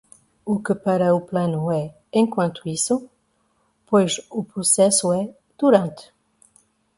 O que para o plano é "enquanto isso", pois o processo é "durante".